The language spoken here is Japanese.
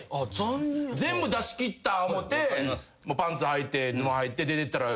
全部出しきった思うてパンツはいてズボンはいて出ていったら。